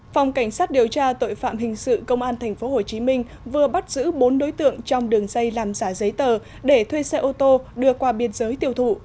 phòng cảnh sát điều tra tội phạm hình sự công an tp hcm vừa bắt giữ bốn đối tượng trong đường dây làm giả giấy tờ để thuê xe ô tô đưa qua biên giới tiêu thụ